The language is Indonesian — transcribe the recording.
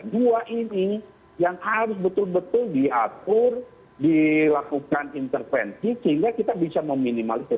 dua ini yang harus betul betul diatur dilakukan intervensi sehingga kita bisa meminimalisir